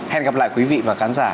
hẹn gặp lại quý vị và khán giả